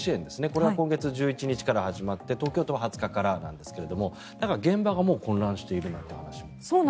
これは今月１１日から始まって東京都は２０日からですが現場がもう混乱しているなんて話も。